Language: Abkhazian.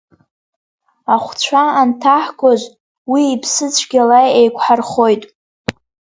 Ахәцәа анҭаҳгоз, уи иԥсы цәгьала еиқәҳархоит.